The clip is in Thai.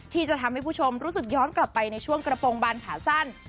ที่จะทำให้ผู้ชมรู้สึกย้อนกลับไปในช่วงกระโปรงบานขาสั้น